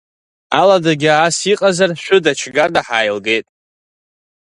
Аладагьы ас иҟазар шәыда-чгада ҳаилгеит.